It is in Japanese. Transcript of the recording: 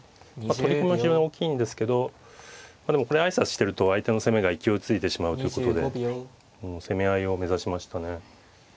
取り込みは非常に大きいんですけどでもこれ挨拶してると相手の攻めが勢いづいてしまうということで攻め合いを目指しましたね。